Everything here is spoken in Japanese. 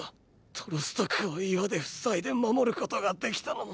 トロスト区を岩で塞いで守ることができたのも。